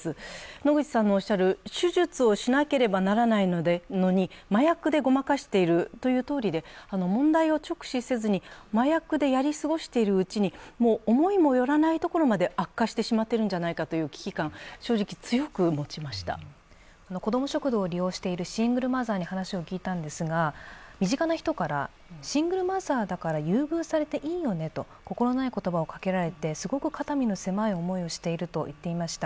野口さんのおっしゃる手術をしなければならないのに麻薬でごまかしているというとおりで、問題を直視せずに麻薬でやり過ごしているうちに思いも寄らないところまで悪化してしまっているのではないかという危機感、子ども食堂を利用しているシングルマザーに聞いたんですが、身近な人から、シングルマザーだから優遇されていいよねと心ない言葉をかけられて、すごく肩身の狭い思いをしていると言っていました。